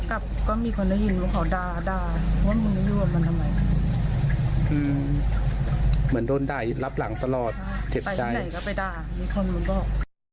ไปที่ไหนก็ไปด่ามีคนมันบอก